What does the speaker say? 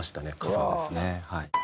そうですねはい。